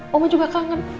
mama juga kangen